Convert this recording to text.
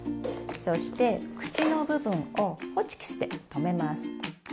そして口の部分をホチキスでとめます。